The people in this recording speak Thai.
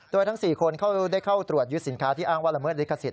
โดยทั้ง๔คนได้เข้าตรวจยึดสินค้าที่อ้างว่าละเมิดลิขสิท